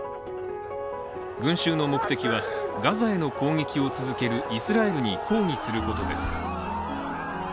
群衆の目的は、ガザへの攻撃を続けるイスラエルに抗議することです。